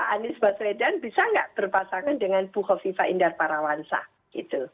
anies basredan bisa gak berpasangan dengan puan toviva indar parawansa gitu